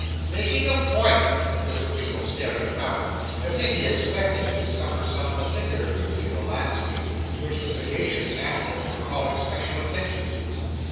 'Making a point!' said Mr. Winkle, staring about him, as if he expected to discover some particular beauty in the landscape, which the sagacious animals were calling special attention to.